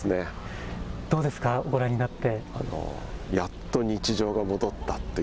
どうですか、ご覧になって。